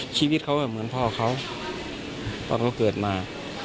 ชีวิตเขาแบบเหมือนพ่อเขา